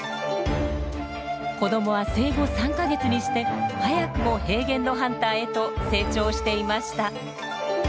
子どもは生後３か月にして早くも平原のハンターへと成長していました。